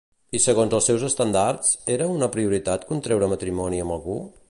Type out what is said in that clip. I segons els seus estàndards, era una prioritat contreure matrimoni amb algú?